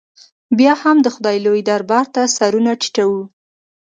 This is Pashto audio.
بیا هم د خدای لوی دربار ته سرونه ټیټو.